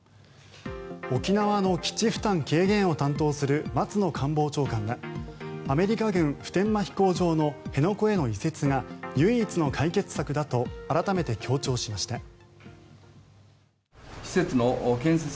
沖縄の基地負担軽減を担当する松野官房長官はアメリカ軍普天間飛行場の辺野古への移設が唯一の解決策だと改めて強調しました。